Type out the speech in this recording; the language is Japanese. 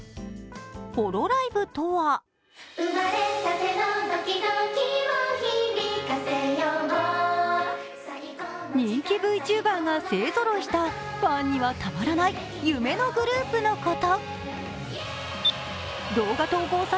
ホロライブとは人気Ｖチューバーが勢ぞろいしたファンにはたまらない夢のグループのこと。